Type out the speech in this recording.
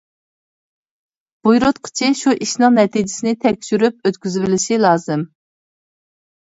بۇيرۇتقۇچى شۇ ئىشنىڭ نەتىجىسىنى تەكشۈرۈپ ئۆتكۈزۈۋېلىشى لازىم.